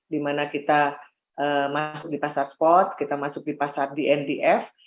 dimana kita masuk di pasar spot kita masuk di pasar dndf